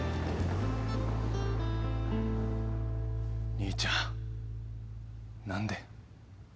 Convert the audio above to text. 兄ちゃん何で。